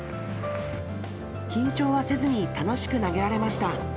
緊張はせずに楽しく投げられました。